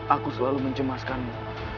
aku selalu mencemaskanmu